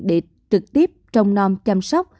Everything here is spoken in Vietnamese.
để trực tiếp trồng non chăm sóc